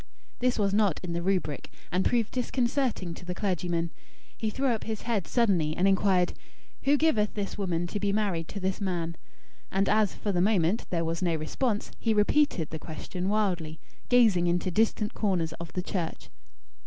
This was not in the rubric, and proved disconcerting to the clergyman. He threw up his head suddenly, and inquired: "Who giveth this woman to be married to this man?" And as, for the moment, there was no response, he repeated, the question wildly; gazing into distant corners of the church.